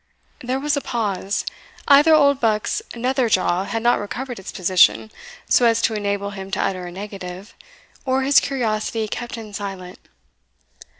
There was a pause either Oldbuck's nether jaw had not recovered its position, so as to enable him to utter a negative, or his curiosity kept him silent.